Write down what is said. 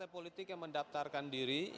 politik yang mendaftarkan diri